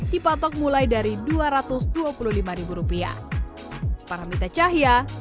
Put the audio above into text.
dipatok mulai dari rp dua ratus dua puluh lima rupiah